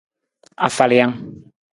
Afalijang.